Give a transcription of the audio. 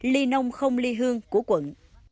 ly nông không ly hương của quận